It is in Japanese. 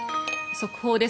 速報です。